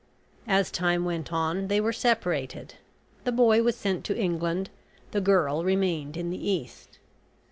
As time went on they were separated the boy was sent to England, the girl remained in the East.